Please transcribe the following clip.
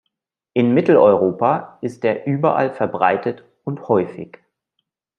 In Mitteleuropa ist er überall verbreitet und häufig.